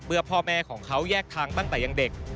พ่อแม่ของเขาแยกทางตั้งแต่ยังเด็ก